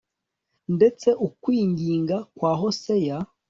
ndetse ukwinginga kwa Hoseya